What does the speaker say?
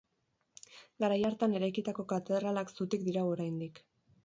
Garai hartan eraikitako katedralak zutik dirau oraindik.